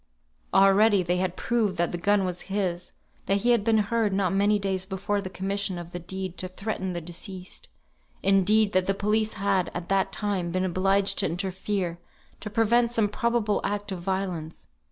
Already they had proved that the gun was his, that he had been heard not many days before the commission of the deed to threaten the deceased; indeed, that the police had, at that time, been obliged to interfere to prevent some probable act of violence.